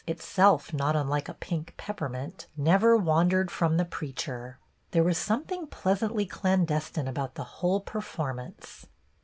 Itself not unlike a pink peppermint, never wandered from the preacher. There was something pleasantly clandestine about the whole performance.